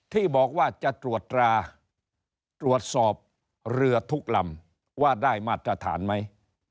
ที่บอกว่าจะตรวจราตรวจสอบเรือทุกลำว่าได้มาตรฐานไหม